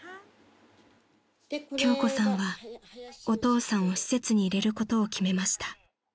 ［京子さんはお父さんを施設に入れることを決めました］